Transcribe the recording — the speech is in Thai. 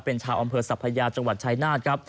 เป็นชาวอำเภอสัพพยาจังหวัดชายนาฏครับ